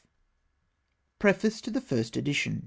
PREFACE TO THE FIRST EDITION.